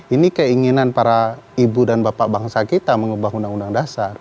ini keinginan para ibu dan bapak bangsa kita mengubah uud